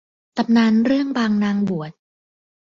ตำนานเรื่องบางนางบวช